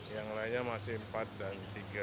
yang lainnya masih empat dan tiga